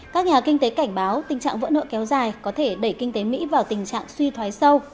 các nhà kinh tế cảnh báo tình trạng vỡ nợ kéo dài có thể đẩy kinh tế mỹ vào tình trạng suy thoái sâu